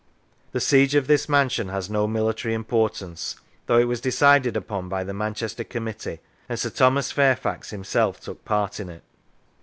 The siege of this mansion has no military importance, though it was decided upon by the Manchester Committee and Sir Thomas Fairfax himself took part in it.